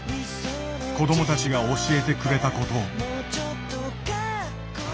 子どもたちが教えてくれたこと。